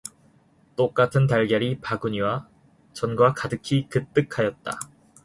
똑같은 달걀이 바구니에 전과 같이 그뜩하였다.